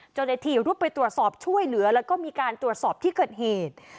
เจ้าหน้าที่รุดไปตรวจสอบช่วยเหลือแล้วก็มีการตรวจสอบที่เกิดเหตุ